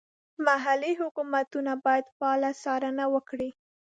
محلي حکومتونه باید فعاله څارنه وکړي.